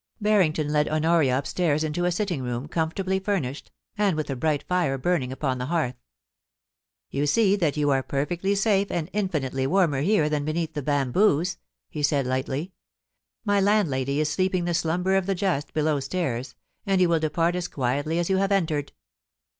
Barrington led Honoria upstairs into a sitting room comfortably fur * nished, and with a bright fire burning upon the hearth. * You see that you are perfectly safe and infinitely warmer here than beneath the bamboos,' he said lightly. *My landlady is sleeping the slumber of the just below stairs, and you will depart as quietly as you have entered.